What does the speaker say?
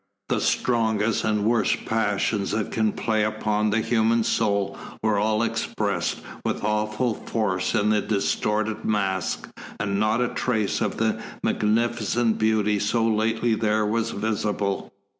The strongest and worst passions that can play upon the human soul were all expressed with awful force in the distorted mask, and not a trace of the magnificent beauty so lately there was visible.